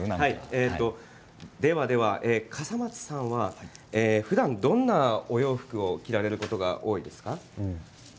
ではでは、笠松さんはふだんどんなお洋服を着られることが多いですか？